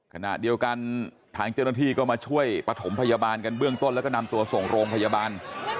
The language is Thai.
ขณะเดียวกันทางเจ้าหน้าที่ก็มาช่วยปฐมพยาบาลกันเบื้องต้นแล้วก็นำตัวส่งโรงพยาบาล